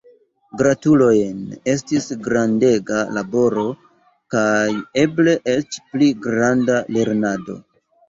Gratulojn estis grandega laboro kaj eble eĉ pli granda lernado!